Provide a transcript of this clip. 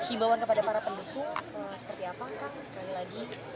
kibauan kepada para pendukung seperti apa kang